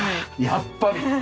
やっぱり！